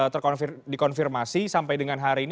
pertama dikonfirmasi sampai dengan hari ini